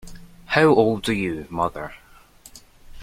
How old are you, mother.